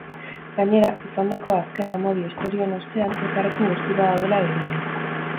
Gainera, izandako azken amodio istorioen ostean, elkarrekin gustura daudela dirudi.